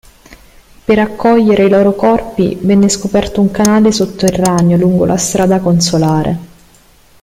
Per accogliere i loro corpi, venne scoperto un canale sotterraneo lungo la strada consolare.